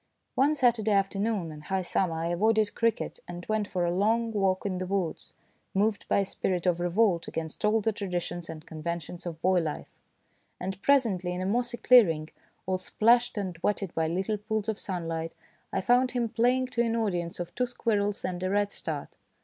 One Saturday afternoon in high summer I avoided cricket and went for a long walk in the woods, moved by a spirit of revolt against all the traditions and conventions of boy life ; and presently, in a mossy clearing, all splashed and wetted by little pools of sunlight, I found him playing to an audience of two squirrels and a redstart.